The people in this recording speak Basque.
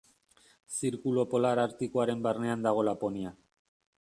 Zirkulu polar artikoaren barnean dago Laponia.